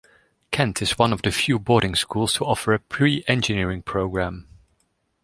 Kent is one of a few boarding schools to offer a pre-engineering program.